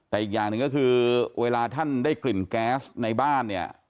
แต่อีกอย่างหนึ่งก็คือเวลาท่านได้กลิ่นแก๊สในบ้านเนี่ย